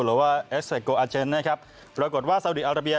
หรือว่านะครับปรากฏว่าซาวดีอาราเบีย